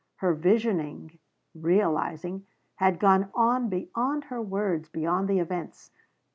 Her visioning realizing had gone on beyond her words, beyond the events.